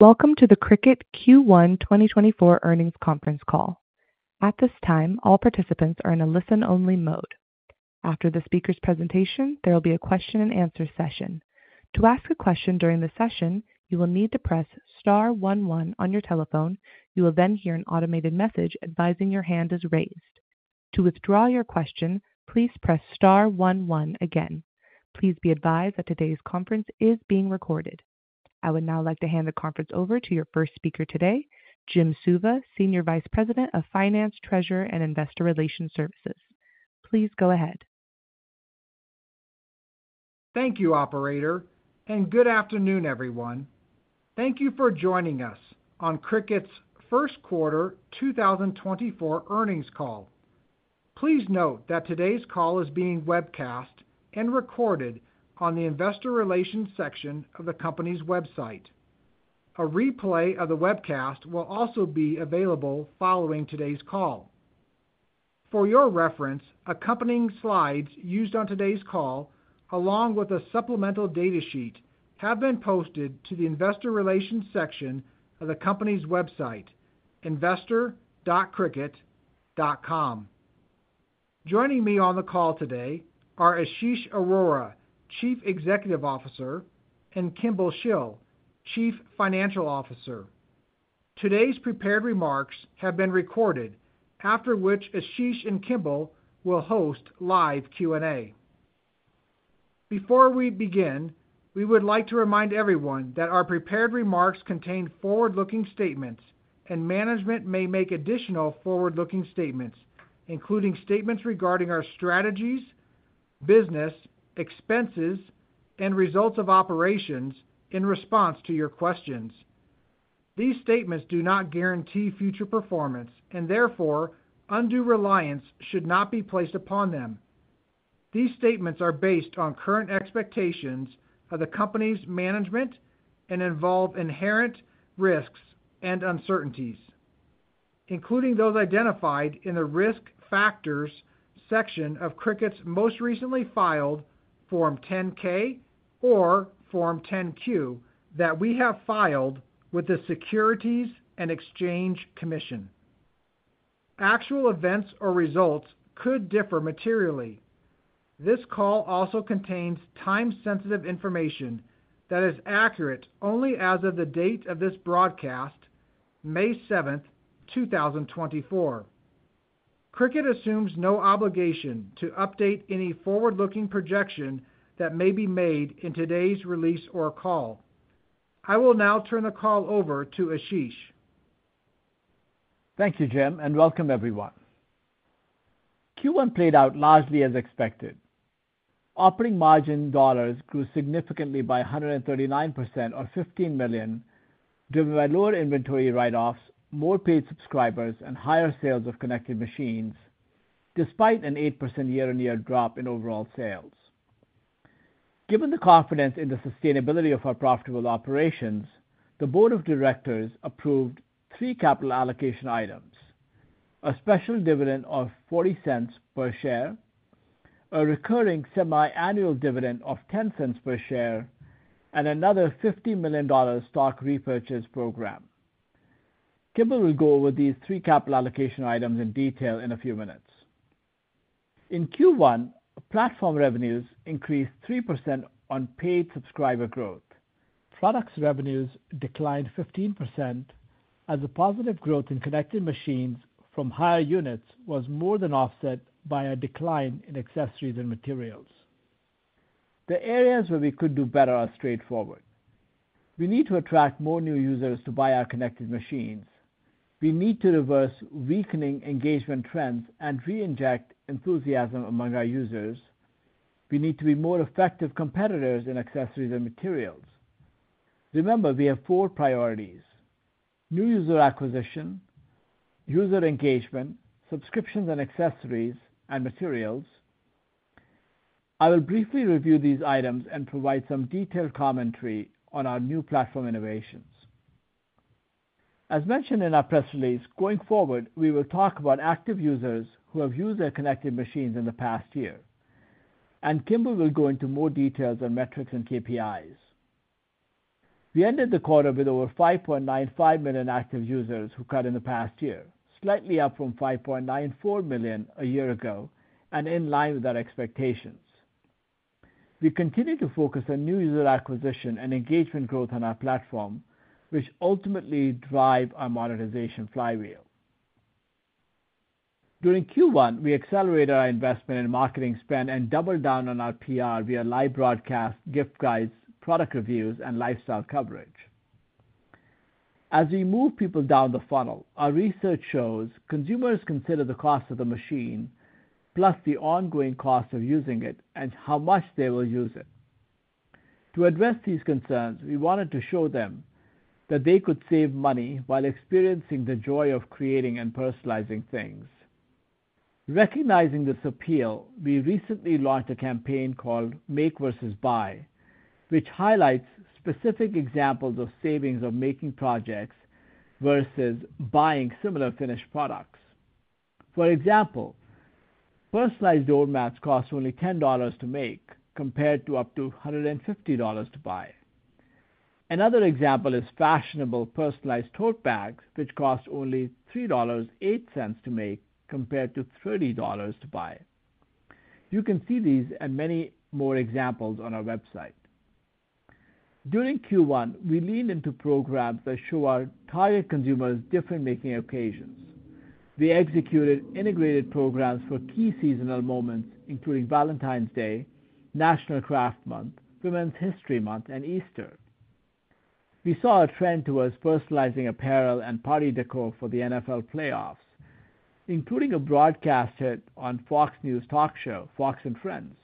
Welcome to the Cricut Q1 2024 Earnings Conference Call. At this time, all participants are in a listen-only mode. After the speaker's presentation, there will be a question-and-answer session. To ask a question during the session, you will need to press star one one on your telephone. You will then hear an automated message advising your hand is raised. To withdraw your question, please press star one one again. Please be advised that today's conference is being recorded. I would now like to hand the conference over to your first speaker today, Jim Suva, Senior Vice President of Finance, Treasurer, and Investor Relations. Please go ahead. Thank you, operator, and good afternoon, everyone. Thank you for joining us on Cricut's first quarter 2024 earnings call. Please note that today's call is being webcast and recorded on the investor relations section of the company's website. A replay of the webcast will also be available following today's call. For your reference, accompanying slides used on today's call, along with a supplemental data sheet, have been posted to the investor relations section of the company's website, investor.cricut.com. Joining me on the call today are Ashish Arora, Chief Executive Officer, and Kimball Shill, Chief Financial Officer. Today's prepared remarks have been recorded, after which Ashish and Kimball will host live Q&A. Before we begin, we would like to remind everyone that our prepared remarks contain forward-looking statements, and management may make additional forward-looking statements, including statements regarding our strategies, business, expenses, and results of operations in response to your questions. These statements do not guarantee future performance, and therefore, undue reliance should not be placed upon them. These statements are based on current expectations of the company's management and involve inherent risks and uncertainties, including those identified in the Risk Factors section of Cricut's most recently filed Form 10-K or Form 10-Q that we have filed with the Securities and Exchange Commission. Actual events or results could differ materially. This call also contains time-sensitive information that is accurate only as of the date of this broadcast, May seventh, two thousand and twenty-four. Cricut assumes no obligation to update any forward-looking projection that may be made in today's release or call. I will now turn the call over to Ashish. Thank you, Jim, and welcome everyone. Q1 played out largely as expected. Operating margin dollars grew significantly by 139% or $15 million, driven by lower inventory write-offs, more paid subscribers, and higher sales of connected machines, despite an 8% year-on-year drop in overall sales. Given the confidence in the sustainability of our profitable operations, the board of directors approved three capital allocation items: a special dividend of $0.40 per share, a recurring semi-annual dividend of $0.10 per share, and another $50 million stock repurchase program. Kimball will go over these three capital allocation items in detail in a few minutes. In Q1, platform revenues increased 3% on paid subscriber growth. Products revenues declined 15%, as a positive growth in connected machines from higher units was more than offset by a decline in accessories and materials. The areas where we could do better are straightforward. We need to attract more new users to buy our connected machines. We need to reverse weakening engagement trends and re-inject enthusiasm among our users. We need to be more effective competitors in accessories and materials. Remember, we have four priorities: new user acquisition, user engagement, subscriptions and accessories, and materials. I will briefly review these items and provide some detailed commentary on our new platform innovations. As mentioned in our press release, going forward, we will talk about active users who have used their connected machines in the past year, and Kimball will go into more details on metrics and KPIs. We ended the quarter with over 5.95 million active users who cut in the past year, slightly up from 5.94 million a year ago and in line with our expectations. We continue to focus on new user acquisition and engagement growth on our platform, which ultimately drive our monetization flywheel. During Q1, we accelerated our investment in marketing spend and doubled down on our PR via live broadcast, gift guides, product reviews, and lifestyle coverage. As we move people down the funnel, our research shows consumers consider the cost of the machine, plus the ongoing cost of using it and how much they will use it. To address these concerns, we wanted to show them that they could save money while experiencing the joy of creating and personalizing things. Recognizing this appeal, we recently launched a campaign called Make Versus Buy, which highlights specific examples of savings of making projects versus buying similar finished products. For example, personalized doormats cost only $10 to make, compared to up to $150 to buy. Another example is fashionable personalized tote bags, which cost only $3.08 to make, compared to $30 to buy. You can see these and many more examples on our website. During Q1, we leaned into programs that show our target consumers different making occasions. We executed integrated programs for key seasonal moments, including Valentine's Day, National Craft Month, Women's History Month, and Easter. We saw a trend towards personalizing apparel and party decor for the NFL playoffs, including a broadcast hit on Fox News talk show, Fox and Friends.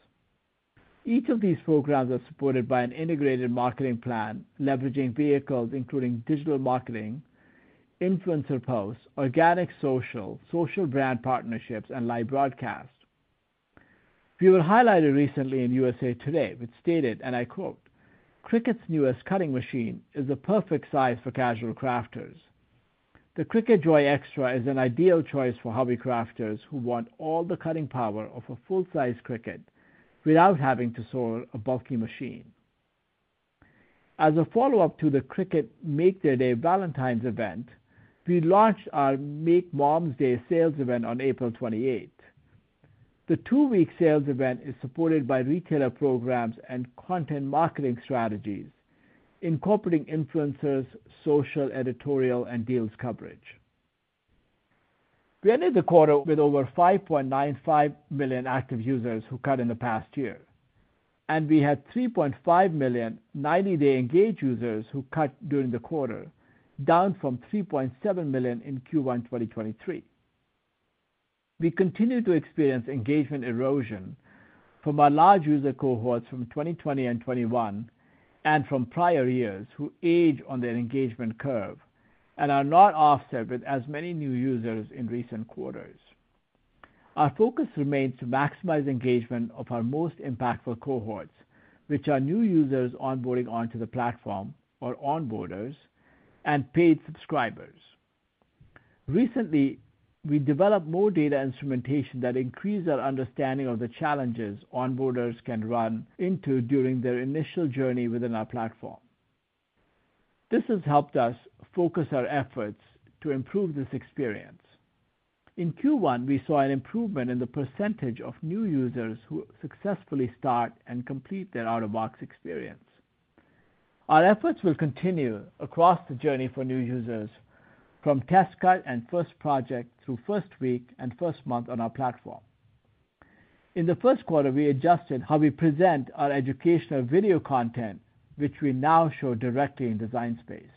Each of these programs are supported by an integrated marketing plan, leveraging vehicles, including digital marketing, influencer posts, organic social, social brand partnerships, and live broadcast. We were highlighted recently in USA Today, which stated, and I quote, "Cricut's newest cutting machine is the perfect size for casual crafters. The Cricut Joy Xtra is an ideal choice for hobby crafters who want all the cutting power of a full-size Cricut without having to store a bulky machine." As a follow-up to the Cricut Make Their Day Valentine's event, we launched our Make Mom's Day sales event on April 28. The two-week sales event is supported by retailer programs and content marketing strategies, incorporating influencers, social, editorial, and deals coverage. We ended the quarter with over 5.95 million active users who cut in the past year, and we had 3.5 million ninety-day engaged users who cut during the quarter, down from 3.7 million in Q1 2023. We continue to experience engagement erosion from our large user cohorts from 2020 and 2021, and from prior years, who age on their engagement curve and are not offset with as many new users in recent quarters. Our focus remains to maximize engagement of our most impactful cohorts, which are new users onboarding onto the platform or onboarders and paid subscribers. Recently, we developed more data instrumentation that increased our understanding of the challenges onboarders can run into during their initial journey within our platform. This has helped us focus our efforts to improve this experience. In Q1, we saw an improvement in the percentage of new users who successfully start and complete their out-of-box experience. Our efforts will continue across the journey for new users, from test cut and first project to first week and first month on our platform. In the first quarter, we adjusted how we present our educational video content, which we now show directly in Design Space.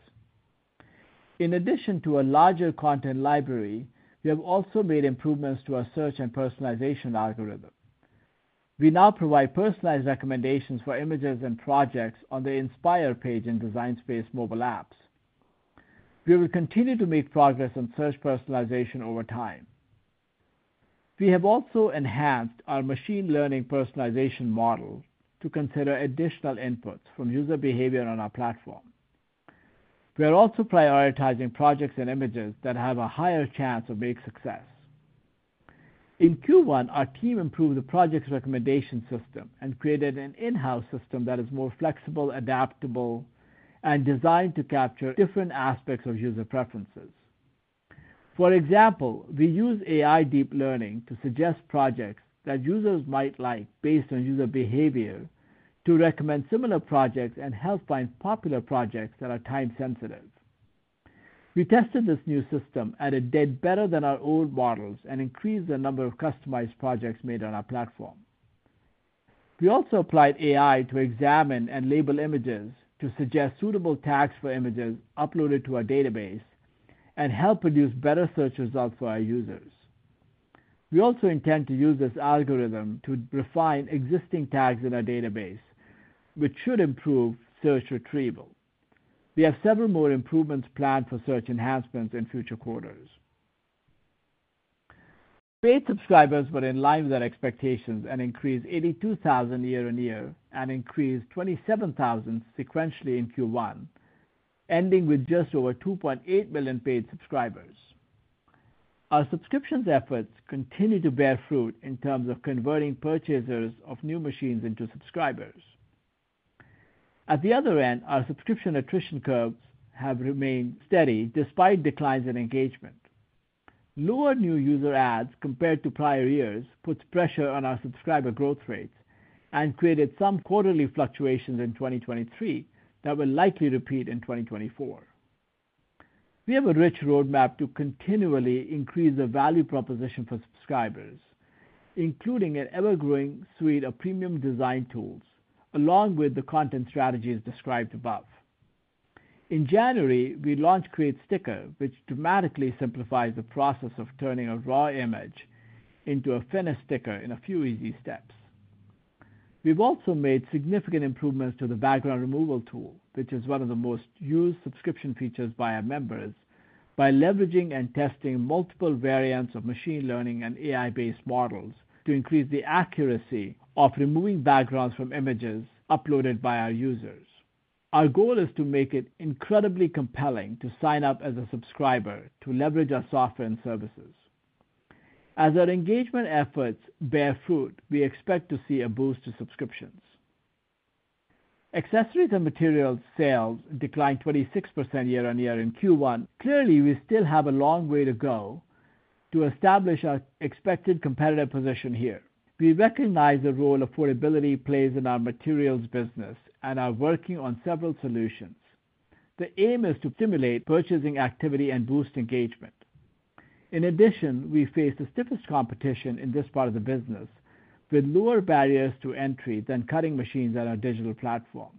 In addition to a larger content library, we have also made improvements to our search and personalization algorithm. We now provide personalized recommendations for images and projects on the Inspire page in Design Space mobile apps. We will continue to make progress on search personalization over time. We have also enhanced our machine learning personalization model to consider additional inputs from user behavior on our platform. We are also prioritizing projects and images that have a higher chance of making success. In Q1, our team improved the projects recommendation system and created an in-house system that is more flexible, adaptable, and designed to capture different aspects of user preferences. For example, we use AI deep learning to suggest projects that users might like based on user behavior, to recommend similar projects and help find popular projects that are time-sensitive. We tested this new system, and it did better than our old models and increased the number of customized projects made on our platform. We also applied AI to examine and label images to suggest suitable tags for images uploaded to our database and help produce better search results for our users. We also intend to use this algorithm to refine existing tags in our database, which should improve search retrieval. We have several more improvements planned for search enhancements in future quarters. Paid subscribers were in line with our expectations and increased 82,000 year-on-year and increased 27,000 sequentially in Q1, ending with just over 2.8 million paid subscribers. Our subscription efforts continue to bear fruit in terms of converting purchasers of new machines into subscribers. At the other end, our subscription attrition curves have remained steady despite declines in engagement. Lower new user adds compared to prior years puts pressure on our subscriber growth rates and created some quarterly fluctuations in 2023 that will likely repeat in 2024. We have a rich roadmap to continually increase the value proposition for subscribers, including an ever-growing suite of premium design tools, along with the content strategies described above. In January, we launched Create Sticker, which dramatically simplifies the process of turning a raw image into a finished sticker in a few easy steps. We've also made significant improvements to the background removal tool, which is one of the most used subscription features by our members, by leveraging and testing multiple variants of machine learning and AI-based models to increase the accuracy of removing backgrounds from images uploaded by our users. Our goal is to make it incredibly compelling to sign up as a subscriber to leverage our software and services. As our engagement efforts bear fruit, we expect to see a boost to subscriptions. Accessories and materials sales declined 26% year-on-year in Q1. Clearly, we still have a long way to go to establish our expected competitive position here. We recognize the role affordability plays in our materials business and are working on several solutions. The aim is to stimulate purchasing activity and boost engagement. In addition, we face the stiffest competition in this part of the business, with lower barriers to entry than cutting machines on our digital platform.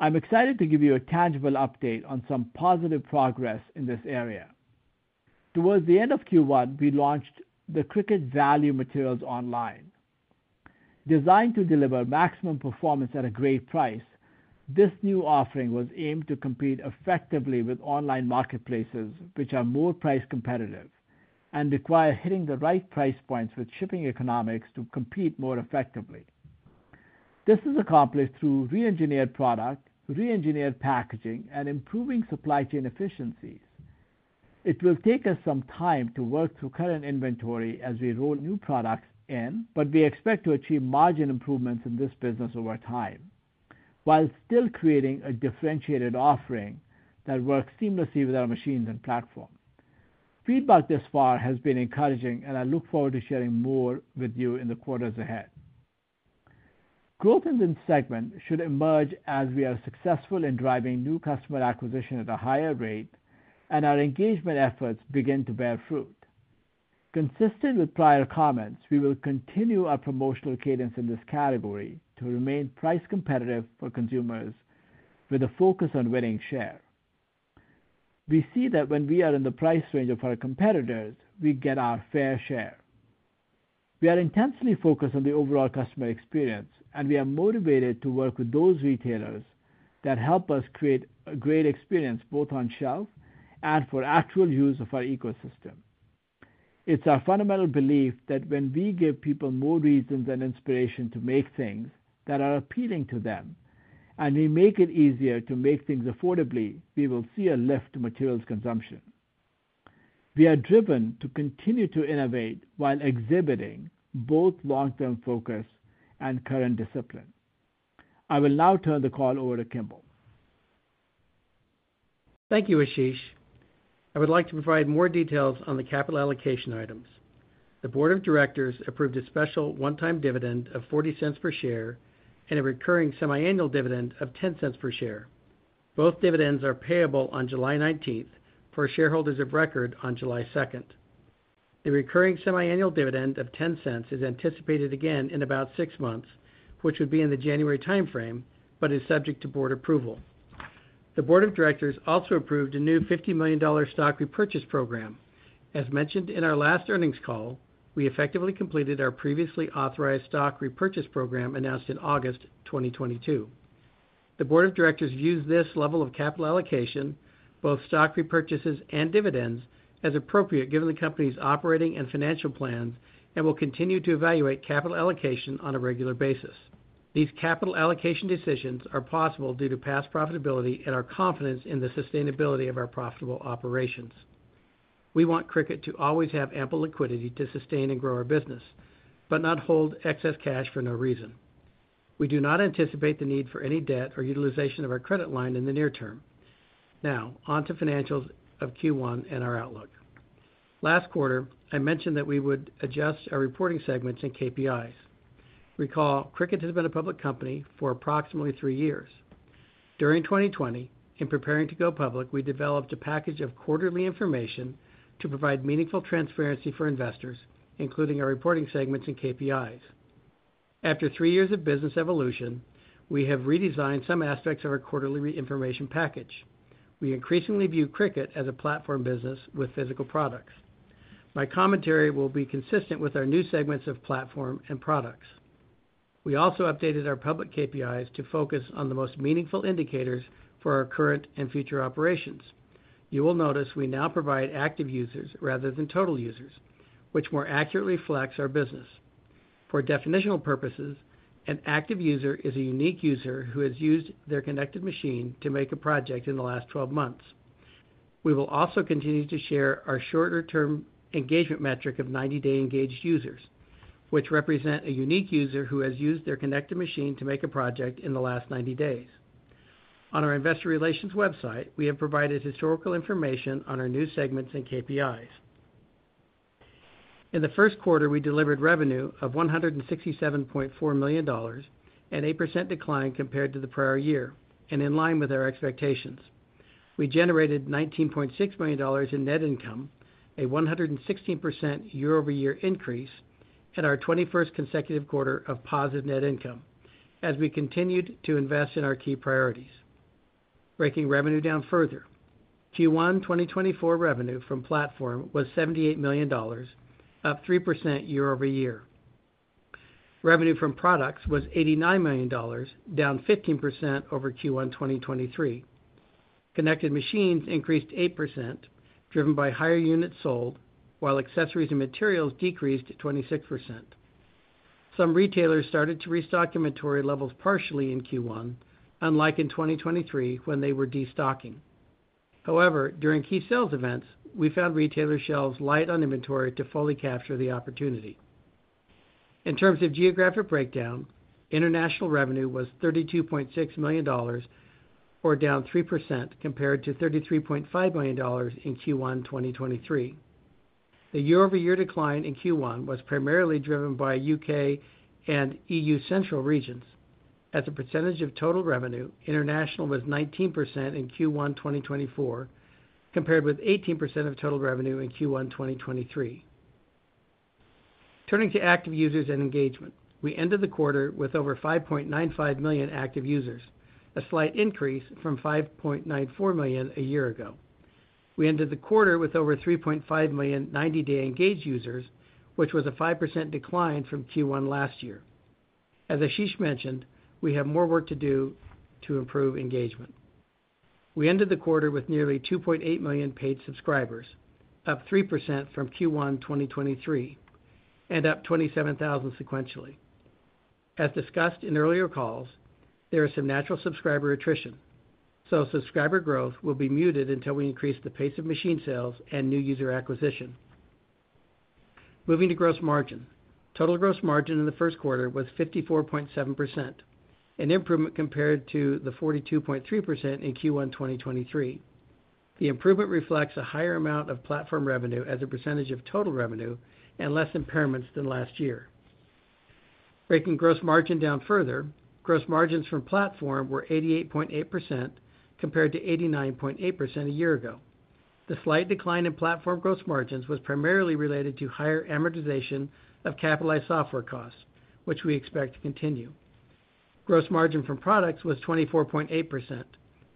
I'm excited to give you a tangible update on some positive progress in this area. Towards the end of Q1, we launched the Cricut Value Materials online. Designed to deliver maximum performance at a great price, this new offering was aimed to compete effectively with online marketplaces, which are more price competitive and require hitting the right price points with shipping economics to compete more effectively. This is accomplished through reengineered product, reengineered packaging, and improving supply chain efficiencies. It will take us some time to work through current inventory as we roll new products in, but we expect to achieve margin improvements in this business over time, while still creating a differentiated offering that works seamlessly with our machines and platform. Feedback thus far has been encouraging, and I look forward to sharing more with you in the quarters ahead. Growth in this segment should emerge as we are successful in driving new customer acquisition at a higher rate and our engagement efforts begin to bear fruit. Consistent with prior comments, we will continue our promotional cadence in this category to remain price competitive for consumers with a focus on winning share. We see that when we are in the price range of our competitors, we get our fair share. We are intensely focused on the overall customer experience, and we are motivated to work with those retailers that help us create a great experience, both on shelf and for actual use of our ecosystem. It's our fundamental belief that when we give people more reasons and inspiration to make things that are appealing to them, and we make it easier to make things affordably, we will see a lift to materials consumption. We are driven to continue to innovate while exhibiting both long-term focus and current discipline. I will now turn the call over to Kimball. Thank you, Ashish. I would like to provide more details on the capital allocation items. The board of directors approved a special one-time dividend of $0.40 per share and a recurring semiannual dividend of $0.10 per share. Both dividends are payable on July 19th, for shareholders of record on July 2nd. The recurring semiannual dividend of $0.10 is anticipated again in about six months, which would be in the January timeframe, but is subject to board approval. The board of directors also approved a new $50 million stock repurchase program. As mentioned in our last earnings call, we effectively completed our previously authorized stock repurchase program announced in August 2022. The board of directors views this level of capital allocation, both stock repurchases and dividends, as appropriate, given the company's operating and financial plans, and will continue to evaluate capital allocation on a regular basis. These capital allocation decisions are possible due to past profitability and our confidence in the sustainability of our profitable operations. We want Cricut to always have ample liquidity to sustain and grow our business, but not hold excess cash for no reason. We do not anticipate the need for any debt or utilization of our credit line in the near term. Now, on to financials of Q1 and our outlook. Last quarter, I mentioned that we would adjust our reporting segments and KPIs. Recall, Cricut has been a public company for approximately three years. During 2020, in preparing to go public, we developed a package of quarterly information to provide meaningful transparency for investors, including our reporting segments and KPIs. After three years of business evolution, we have redesigned some aspects of our quarterly information package. We increasingly view Cricut as a platform business with physical products. My commentary will be consistent with our new segments of platform and products. We also updated our public KPIs to focus on the most meaningful indicators for our current and future operations. You will notice we now provide active users rather than total users, which more accurately reflects our business. For definitional purposes, an active user is a unique user who has used their connected machine to make a project in the last 12 months. We will also continue to share our shorter-term engagement metric of 90-day engaged users, which represent a unique user who has used their connected machine to make a project in the last 90 days. On our investor relations website, we have provided historical information on our new segments and KPIs. In the first quarter, we delivered revenue of $167.4 million, an 8% decline compared to the prior year and in line with our expectations. We generated $19.6 million in net income, a 116% year-over-year increase, and our 21st consecutive quarter of positive net income as we continued to invest in our key priorities. Breaking revenue down further, Q1 2024 revenue from platform was $78 million, up 3% year-over-year. Revenue from products was $89 million, down 15% over Q1 2023. Connected machines increased 8%, driven by higher units sold, while accessories and materials decreased 26%. Some retailers started to restock inventory levels partially in Q1, unlike in 2023, when they were destocking. However, during key sales events, we found retailer shelves light on inventory to fully capture the opportunity. In terms of geographic breakdown, international revenue was $32.6 million, or down 3% compared to $33.5 million in Q1 2023. The year-over-year decline in Q1 was primarily driven by UK and EU central regions. As a percentage of total revenue, international was 19% in Q1 2024, compared with 18% of total revenue in Q1 2023. Turning to active users and engagement, we ended the quarter with over 5.95 million active users, a slight increase from 5.94 million a year ago. We ended the quarter with over 3.5 million ninety-day engaged users, which was a 5% decline from Q1 last year. As Ashish mentioned, we have more work to do to improve engagement. We ended the quarter with nearly 2.8 million paid subscribers, up 3% from Q1 2023, and up 27,000 sequentially. As discussed in earlier calls, there is some natural subscriber attrition, so subscriber growth will be muted until we increase the pace of machine sales and new user acquisition. Moving to gross margin. Total gross margin in the first quarter was 54.7%, an improvement compared to the 42.3% in Q1 2023. The improvement reflects a higher amount of platform revenue as a percentage of total revenue and less impairments than last year. Breaking gross margin down further, gross margins from platform were 88.8% compared to 89.8% a year ago. The slight decline in platform gross margins was primarily related to higher amortization of capitalized software costs, which we expect to continue. Gross margin from products was 24.8%,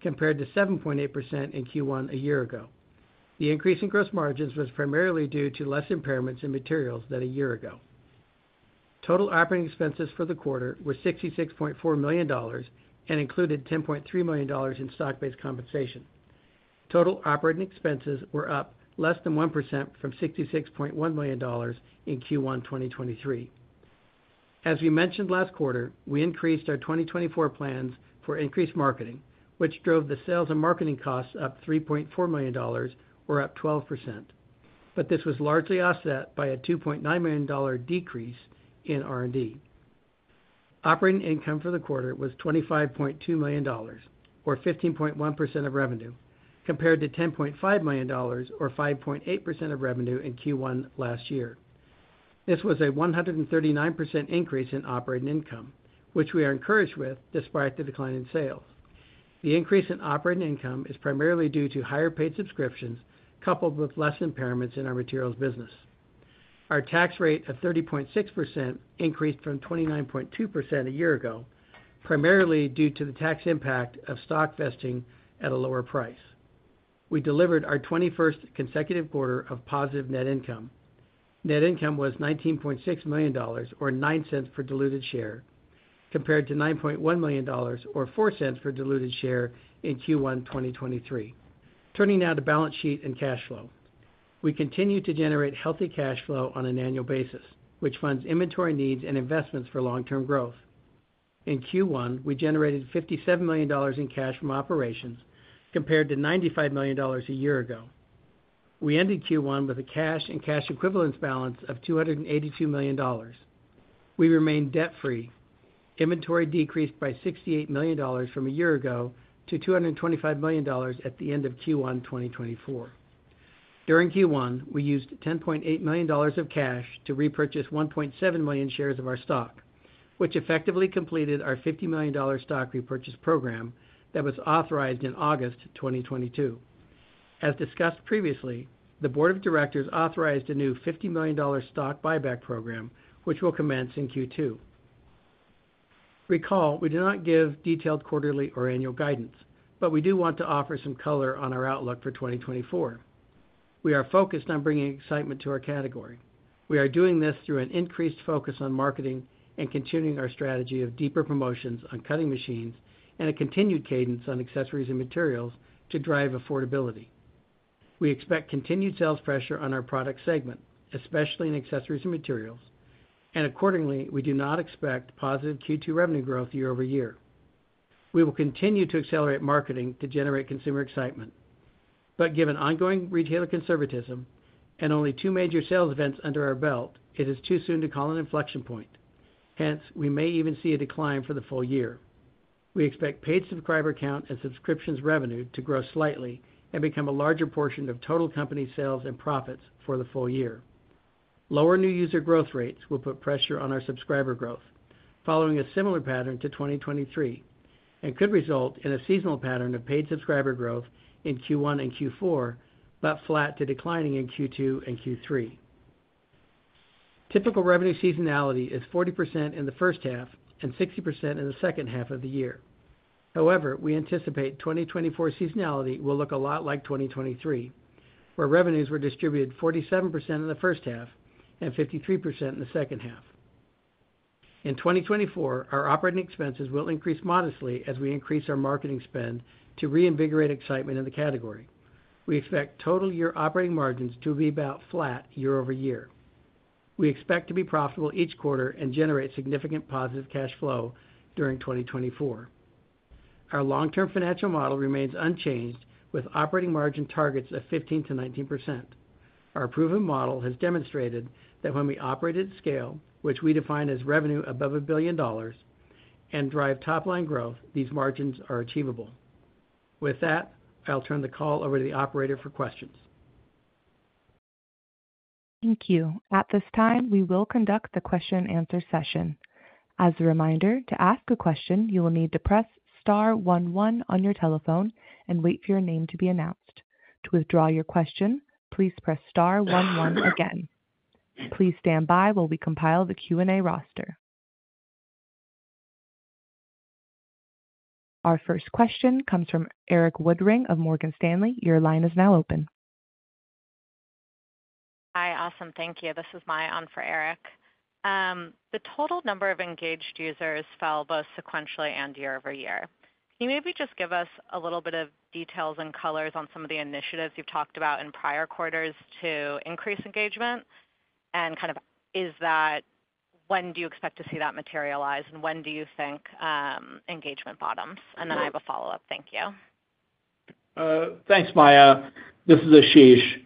compared to 7.8% in Q1 a year ago. The increase in gross margins was primarily due to less impairments in materials than a year ago. Total operating expenses for the quarter were $66.4 million and included $10.3 million in stock-based compensation. Total operating expenses were up less than 1% from $66.1 million in Q1 2023. As we mentioned last quarter, we increased our 2024 plans for increased marketing, which drove the sales and marketing costs up $3.4 million, or up 12%, but this was largely offset by a $2.9 million decrease in R&D. Operating income for the quarter was $25.2 million, or 15.1% of revenue, compared to $10.5 million, or 5.8% of revenue in Q1 last year. This was a 139% increase in operating income, which we are encouraged with despite the decline in sales. The increase in operating income is primarily due to higher paid subscriptions, coupled with less impairments in our materials business. Our tax rate of 30.6% increased from 29.2% a year ago, primarily due to the tax impact of stock vesting at a lower price. We delivered our 21st consecutive quarter of positive net income. Net income was $19.6 million, or $0.09 per diluted share, compared to $9.1 million, or $0.04 per diluted share in Q1 2023. Turning now to balance sheet and cash flow. We continue to generate healthy cash flow on an annual basis, which funds inventory needs and investments for long-term growth. In Q1, we generated $57 million in cash from operations, compared to $95 million a year ago. We ended Q1 with a cash and cash equivalents balance of $282 million. We remain debt-free. Inventory decreased by $68 million from a year ago to $225 million at the end of Q1 2024. During Q1, we used $10.8 million of cash to repurchase 1.7 million shares of our stock, which effectively completed our $50 million stock repurchase program that was authorized in August 2022. As discussed previously, the board of directors authorized a new $50 million stock buyback program, which will commence in Q2. Recall, we do not give detailed quarterly or annual guidance, but we do want to offer some color on our outlook for 2024. We are focused on bringing excitement to our category. We are doing this through an increased focus on marketing and continuing our strategy of deeper promotions on cutting machines and a continued cadence on accessories and materials to drive affordability. We expect continued sales pressure on our product segment, especially in accessories and materials, and accordingly, we do not expect positive Q2 revenue growth year-over-year. We will continue to accelerate marketing to generate consumer excitement, but given ongoing retailer conservatism and only two major sales events under our belt, it is too soon to call an inflection point. Hence, we may even see a decline for the full year. We expect paid subscriber count and subscriptions revenue to grow slightly and become a larger portion of total company sales and profits for the full year. Lower new user growth rates will put pressure on our subscriber growth, following a similar pattern to 2023, and could result in a seasonal pattern of paid subscriber growth in Q1 and Q4, but flat to declining in Q2 and Q3. Typical revenue seasonality is 40% in the first half and 60% in the second half of the year. However, we anticipate 2024 seasonality will look a lot like 2023, where revenues were distributed 47% in the first half and 53% in the second half. In 2024, our operating expenses will increase modestly as we increase our marketing spend to reinvigorate excitement in the category. We expect total year operating margins to be about flat year-over-year. We expect to be profitable each quarter and generate significant positive cash flow during 2024. Our long-term financial model remains unchanged, with operating margin targets of 15%-19%. Our proven model has demonstrated that when we operate at scale, which we define as revenue above $1 billion, and drive top line growth, these margins are achievable. With that, I'll turn the call over to the operator for questions. Thank you. At this time, we will conduct the question and answer session. As a reminder, to ask a question, you will need to press star one one on your telephone and wait for your name to be announced. To withdraw your question, please press star one one again. Please stand by while we compile the Q&A roster. Our first question comes from Erik Woodring of Morgan Stanley. Your line is now open. Hi, awesome. Thank you. This is Maya on for Erik. The total number of engaged users fell both sequentially and year-over-year. Can you maybe just give us a little bit of details and colors on some of the initiatives you've talked about in prior quarters to increase engagement? And kind of, is that, when do you expect to see that materialize, and when do you think engagement bottoms? And then I have a follow-up. Thank you. Thanks, Maya. This is Ashish.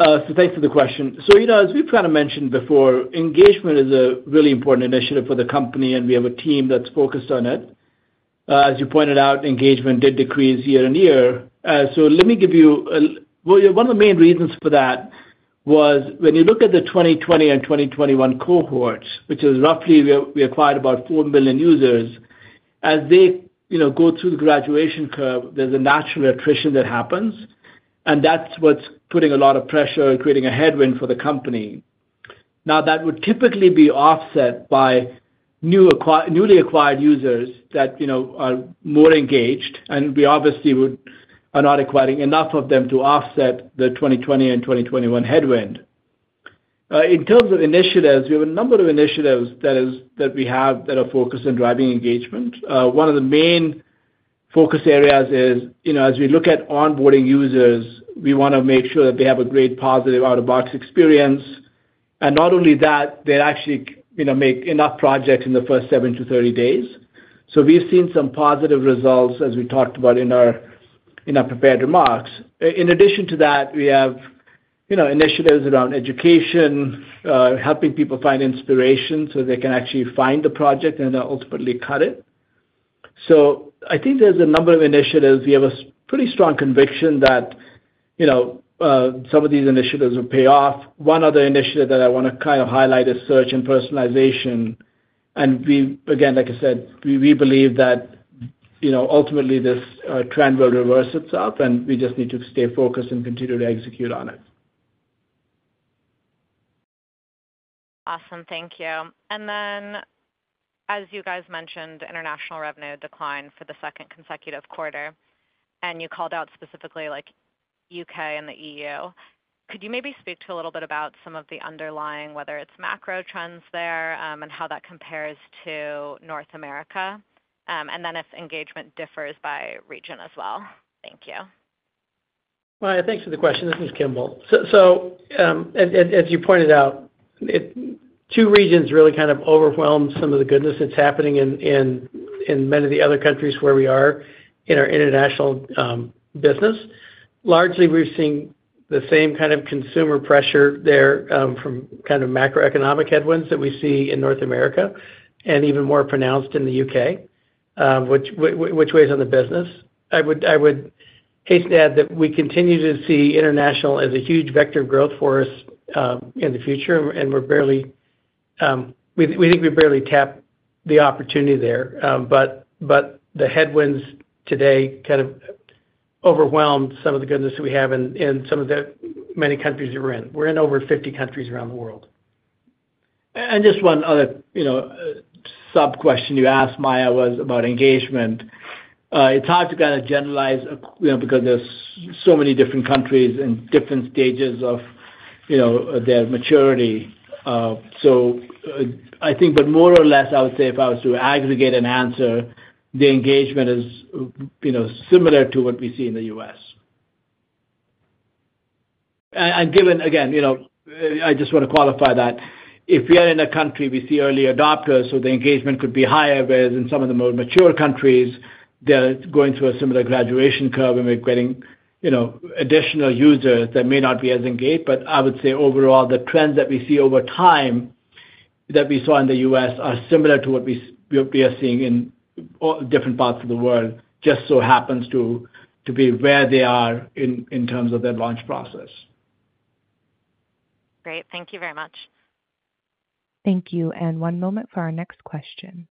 So, thanks for the question. So, you know, as we've kind of mentioned before, engagement is a really important initiative for the company, and we have a team that's focused on it. As you pointed out, engagement did decrease year-over-year. So, let me give you well, one of the main reasons for that was when you look at the 2020 and 2021 cohorts, which is roughly we acquired about 4 million users, as they, you know, go through the graduation curve, there's a natural attrition that happens, and that's what's putting a lot of pressure and creating a headwind for the company. Now, that would typically be offset by newly acquired users that, you know, are more engaged, and we obviously would are not acquiring enough of them to offset the 2020 and 2021 headwind. In terms of initiatives, we have a number of initiatives, that is, that we have that are focused on driving engagement. One of the main focus areas is, you know, as we look at onboarding users, we wanna make sure that they have a great positive out-of-box experience. And not only that, they actually, you know, make enough projects in the first 7-30 days. So we've seen some positive results as we talked about in our, in our prepared remarks. In addition to that, we have, you know, initiatives around education, helping people find inspiration so they can actually find the project and, ultimately cut it. So I think there's a number of initiatives. We have a pretty strong conviction that, you know, some of these initiatives will pay off. One other initiative that I wanna kind of highlight is search and personalization. And we, again, like I said, we, we believe that, you know, ultimately this trend will reverse itself, and we just need to stay focused and continue to execute on it. Awesome. Thank you. And then, as you guys mentioned, international revenue declined for the second consecutive quarter, and you called out specifically, like U.K. and the E.U.. Could you maybe speak to a little bit about some of the underlying, whether it's macro trends there, and how that compares to North America? And then if engagement differs by region as well. Thank you. Maya, thanks for the question. This is Kimball. So, as you pointed out, it, two regions really kind of overwhelmed some of the goodness that's happening in, in, in many of the other countries where we are in our international business. Largely, we're seeing the same kind of consumer pressure there from kind of macroeconomic headwinds that we see in North America, and even more pronounced in the U.K., which weighs on the business. I would hasten to add that we continue to see international as a huge vector of growth for us in the future, and we're barely, we think we've barely tapped the opportunity there. But the headwinds today kind of overwhelmed some of the goodness that we have in, in some of the many countries that we're in. We're in over 50 countries around the world. Just one other, you know, sub-question you asked, Maya, was about engagement. It's hard to kind of generalize, you know, because there's so many different countries in different stages of, you know, their maturity. So, I think but more or less, I would say if I was to aggregate an answer, the engagement is, you know, similar to what we see in the U.S. And, and given, again, you know, I just want to qualify that. If we are in a country, we see early adopters, so the engagement could be higher, whereas in some of the more mature countries, they're going through a similar graduation curve, and we're getting, you know, additional users that may not be as engaged. But I would say overall, the trends that we see over time that we saw in the U.S. are similar to what we are seeing in all different parts of the world, just so happens to be where they are in terms of their launch process. Great. Thank you very much. Thank you, and one moment for our next question.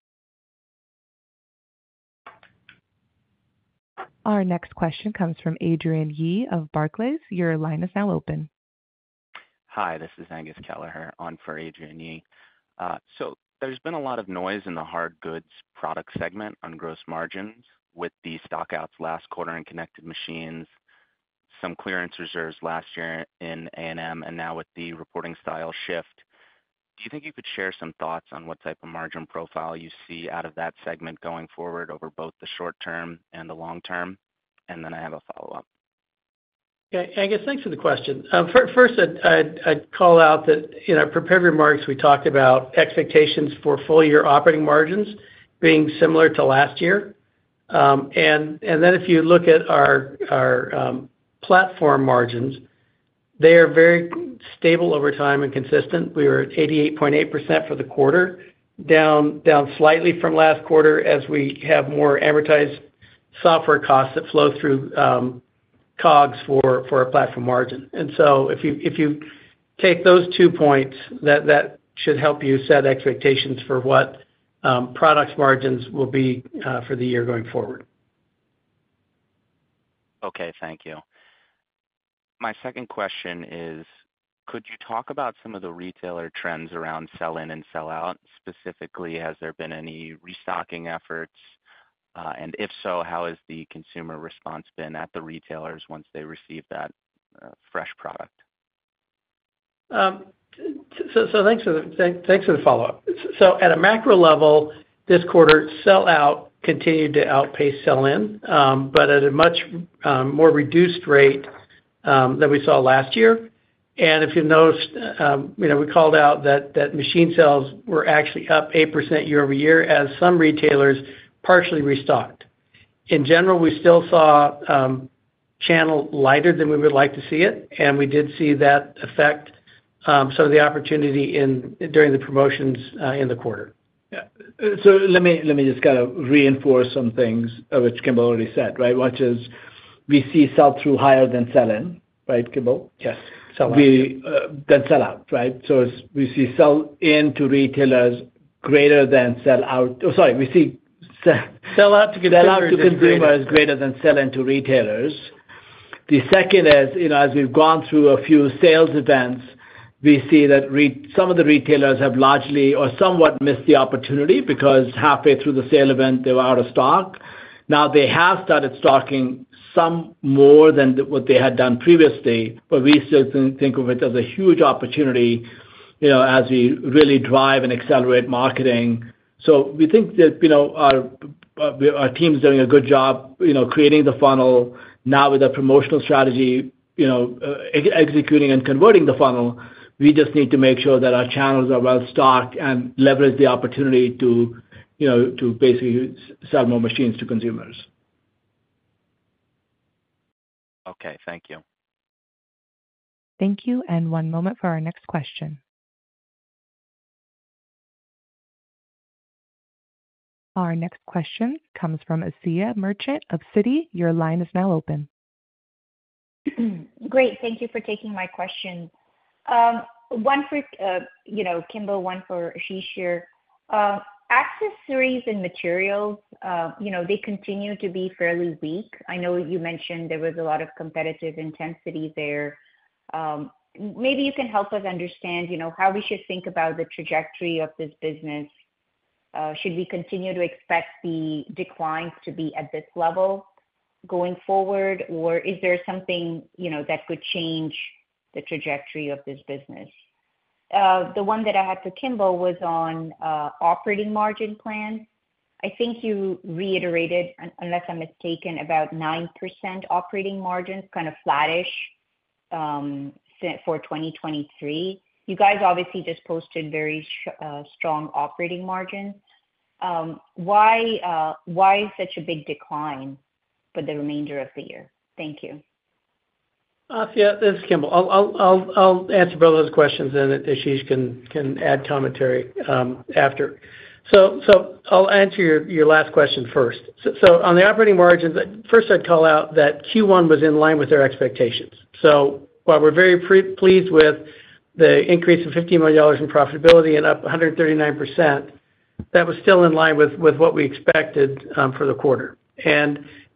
Our next question comes from Adrienne Yih of Barclays. Your line is now open. Hi, this is Angus Kelleher on for Adrienne Yih. So there's been a lot of noise in the hard goods product segment on gross margins with the stock outs last quarter in Connected Machines, some clearance reserves last year in A&M, and now with the reporting style shift, do you think you could share some thoughts on what type of margin profile you see out of that segment going forward over both the short term and the long term? And then I have a follow-up. Okay, Angus, thanks for the question. First, I'd call out that, you know, in our prepared remarks, we talked about expectations for full-year operating margins being similar to last year. And then if you look at our platform margins, they are very stable over time and consistent. We were at 88.8% for the quarter, down slightly from last quarter as we have more advertised software costs that flow through COGS for our platform margin. And so if you take those two points, that should help you set expectations for what products margins will be for the year going forward. Okay, thank you. My second question is, could you talk about some of the retailer trends around sell-in and sell-out? Specifically, has there been any restocking efforts? And if so, how has the consumer response been at the retailers once they receive that, fresh product? So thanks for the follow-up. So at a macro level, this quarter, sell-out continued to outpace sell-in, but at a much more reduced rate than we saw last year. And if you noticed, you know, we called out that machine sales were actually up 8% year-over-year as some retailers partially restocked. In general, we still saw channel lighter than we would like to see it, and we did see that affect some of the opportunity during the promotions in the quarter. Yeah. So let me just kind of reinforce some things of which Kimball already said, right? Which is we see sell-through higher than sell-in, right, Kimball? Yes, sell out. We see sell in to retailers greater than sell out. Oh, sorry, we see sell- Sell-out to consumers. Sell-out to consumers greater than sell-in to retailers. The second is, you know, as we've gone through a few sales events, we see that some of the retailers have largely or somewhat missed the opportunity because halfway through the sale event, they were out of stock. Now, they have started stocking some more than what they had done previously, but we still think of it as a huge opportunity, you know, as we really drive and accelerate marketing. So we think that, you know, our team's doing a good job, you know, creating the funnel, now with a promotional strategy, you know, executing and converting the funnel. We just need to make sure that our channels are well stocked and leverage the opportunity to, you know, to basically sell more machines to consumers. Okay, thank you. Thank you, and one moment for our next question. Our next question comes from Asiya Merchant of Citi. Your line is now open. Great, thank you for taking my question. One for, you know, Kimball, one for Ashish here. Accessories and materials, you know, they continue to be fairly weak. I know you mentioned there was a lot of competitive intensity there. Maybe you can help us understand, you know, how we should think about the trajectory of this business. Should we continue to expect the declines to be at this level going forward, or is there something, you know, that could change the trajectory of this business? The one that I had for Kimball was on operating margin plans. I think you reiterated, unless I'm mistaken, about 9% operating margins, kind of flattish, set for 2023. You guys obviously just posted very strong operating margins. Why such a big decline for the remainder of the year? Thank you. Asiya, this is Kimball. I'll answer both those questions, and then Ashish can add commentary after. So I'll answer your last question first. So on the operating margins, first, I'd call out that Q1 was in line with our expectations. So while we're very pleased with the increase of $50 million in profitability and up 139%, that was still in line with what we expected for the quarter.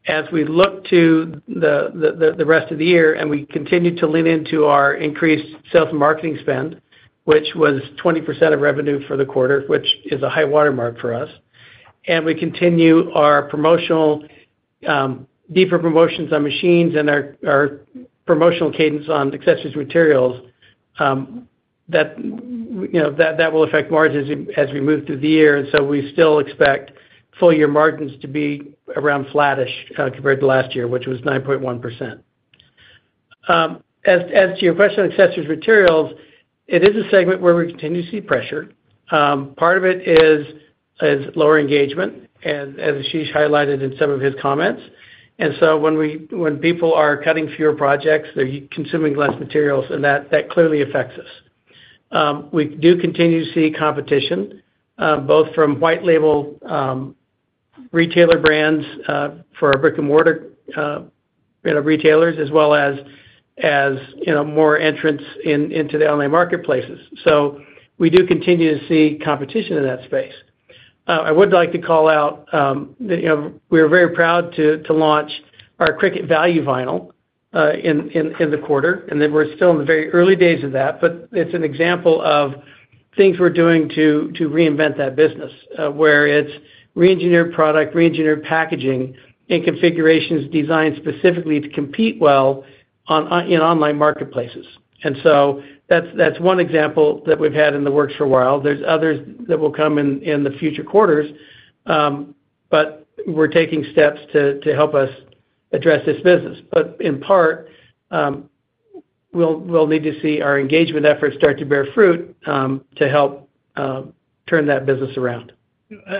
As we look to the rest of the year, and we continue to lean into our increased sales and marketing spend, which was 20% of revenue for the quarter, which is a high watermark for us, and we continue our promotional deeper promotions on machines and our promotional cadence on accessories materials, that, you know, that will affect margins as we move through the year. And so we still expect full year margins to be around flattish compared to last year, which was 9.1%. As to your question on accessories materials, it is a segment where we continue to see pressure. Part of it is lower engagement, as Ashish highlighted in some of his comments. And so when people are cutting fewer projects, they're consuming less materials, and that clearly affects us. We do continue to see competition, both from white label retailer brands for our brick-and-mortar retailers, as well as, you know, more entrants into the online marketplaces. So we do continue to see competition in that space. I would like to call out, you know, we are very proud to launch our Cricut Value Vinyl in the quarter, and then we're still in the very early days of that. But it's an example of things we're doing to reinvent that business, where it's reengineered product, reengineered packaging, and configurations designed specifically to compete well in online marketplaces. And so that's one example that we've had in the works for a while. There's others that will come in, in the future quarters, but we're taking steps to help us address this business. But in part, we'll need to see our engagement efforts start to bear fruit, to help turn that business around. I,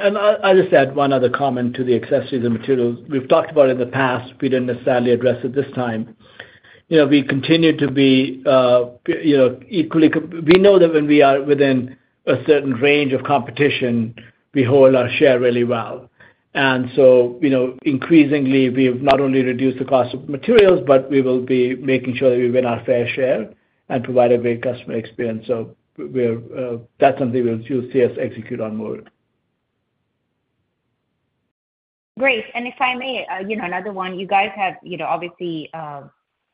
I'll just add one other comment to the accessories and materials. We've talked about it in the past, we didn't necessarily address it this time. You know, we continue to be, you know, equally we know that when we are within a certain range of competition, we hold our share really well. And so, you know, increasingly, we've not only reduced the cost of materials, but we will be making sure that we win our fair share and provide a great customer experience. So we're, that's something you'll see us execute on more. Great, and if I may, you know, another one, you guys have, you know, obviously,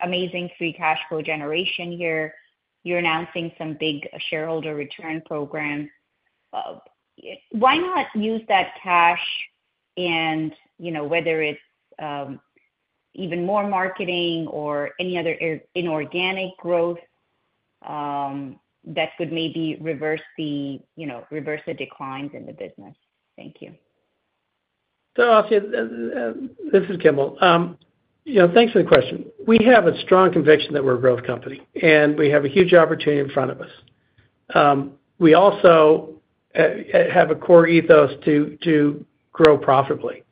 amazing free cash flow generation here. You're announcing some big shareholder return program. Why not use that cash and, you know, whether it's, even more marketing or any other inorganic growth, that could maybe reverse the, you know, reverse the declines in the business? Thank you. This is Kimball. You know, thanks for the question. We have a strong conviction that we're a growth company, and we have a huge opportunity in front of us. We also have a core ethos to grow profitably.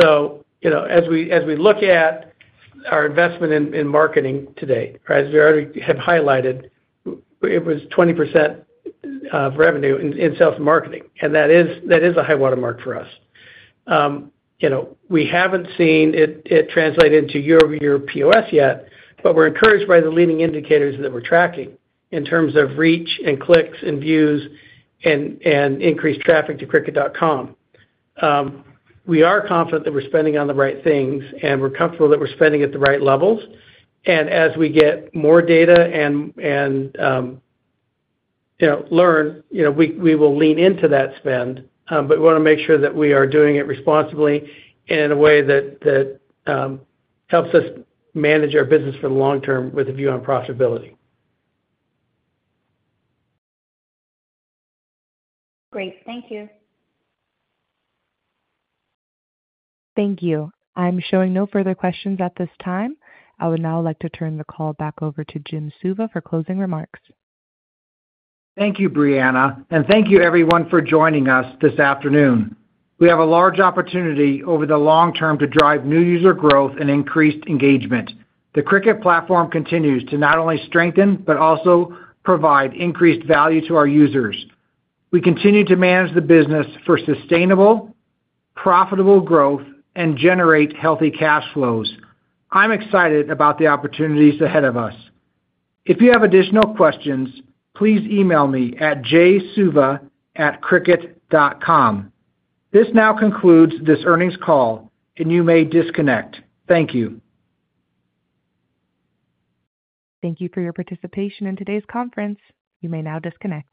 So, you know, as we look at our investment in marketing today, as we already have highlighted, it was 20% of revenue in sales and marketing, and that is a high watermark for us. You know, we haven't seen it translate into year-over-year POS yet, but we're encouraged by the leading indicators that we're tracking in terms of reach and clicks and views and increased traffic to cricut.com. We are confident that we're spending on the right things, and we're comfortable that we're spending at the right levels. As we get more data and, you know, learn, you know, we will lean into that spend, but we wanna make sure that we are doing it responsibly and in a way that helps us manage our business for the long term with a view on profitability. Great. Thank you. Thank you. I'm showing no further questions at this time. I would now like to turn the call back over to Jim Suva for closing remarks. Thank you, Brianna, and thank you, everyone, for joining us this afternoon. We have a large opportunity over the long term to drive new user growth and increased engagement. The Cricut platform continues to not only strengthen but also provide increased value to our users. We continue to manage the business for sustainable, profitable growth and generate healthy cash flows. I'm excited about the opportunities ahead of us. If you have additional questions, please email me at jsuva@cricut.com. This now concludes this earnings call, and you may disconnect. Thank you. Thank you for your participation in today's conference. You may now disconnect.